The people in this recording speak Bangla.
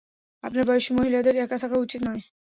আপনার বয়সী মহিলাদের একা থাকা উচিত নয়।